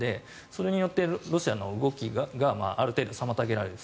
それによってロシアの動きがある程度、妨げられる。